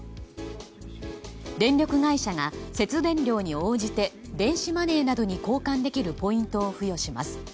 電力会社が節電量に応じて電子マネーなどに交換できるポイントを付与します。